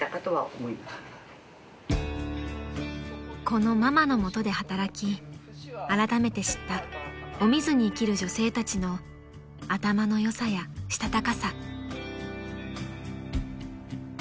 ［このママの下で働きあらためて知ったお水に生きる女性たちの頭の良さやしたたかさ］